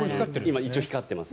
今、一応光ってます。